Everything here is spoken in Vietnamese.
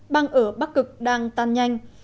băng ở bắc cực đang tan nhanh